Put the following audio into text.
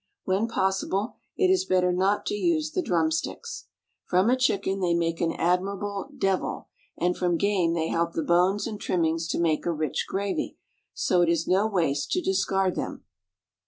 When possible, it is better not to use the drumsticks. From a chicken they make an admirable "devil," and from game they help the bones and trimmings to make a rich gravy; so it is no waste to discard them.